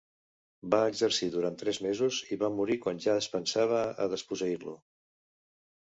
Va exercir durant tres mesos i van morir quan ja es pensava a desposseir-lo.